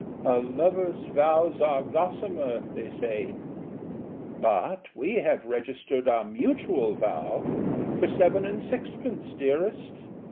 A lover's vows are gossamer, they say; But we have registered our mutual vow For seven and sixpence, dearest.